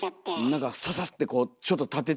何かササッてこうちょっと立ててる。